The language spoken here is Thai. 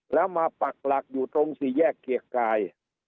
แล้วมาปักหลักอยู่ตรงสี่แยกเกียรติกาย